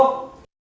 càng nhiều cặp tốt